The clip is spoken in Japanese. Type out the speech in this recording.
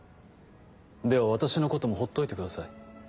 では私のこともほっといてください。